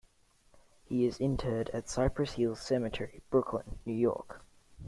He is interred at Cypress Hills Cemetery, Brooklyn, New York.